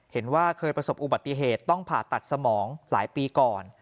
เห็นว่าเคยประสบอุบัติเหตุต้องผ่าตัดสมองหลายปีก่อน